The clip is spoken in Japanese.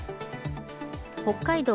北海道